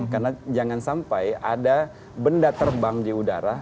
karena jangan sampai ada benda terbang di udara